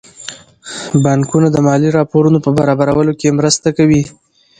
بانکونه د مالي راپورونو په برابرولو کې مرسته کوي.